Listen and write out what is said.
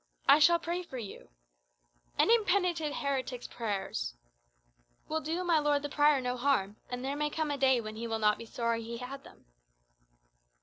I shall pray for you " "An impenitent heretic's prayers " "Will do my lord the prior no harm; and there may come a day when he will not be sorry he had them."